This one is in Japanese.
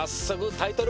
タイトル